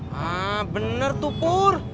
haa bener tuh pur